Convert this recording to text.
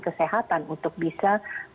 kesehatan untuk bisa